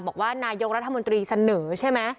บอกว่านายกรัฐมนตรีเสนอใช่ไหม